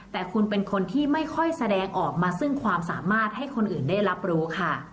แต่คุณเป็นคนที่ไม่ค่อยแสดงออกมาซึ่งความสามารถให้คนอื่นได้รับรู้ค่ะ